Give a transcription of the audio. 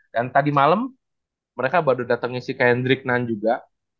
dan tadi malam mereka baru datangnya si kendrick nunn juga